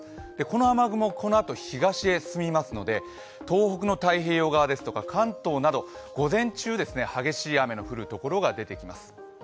この雨雲、このあと東へ進みますので東北の太平洋側や関東など、午前中、激しい雨の降る所が出てきます。